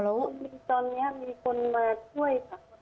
ตอนนี้มีคนมาช่วยค่ะ